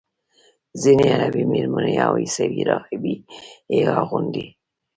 ځینې عربي میرمنې او عیسوي راهبې یې اغوندي.